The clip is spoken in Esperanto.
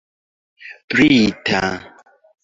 brita